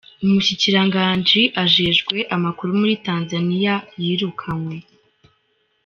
Umushikiranganji ajejwe amakuru muri Tanzaniya yirukanywe.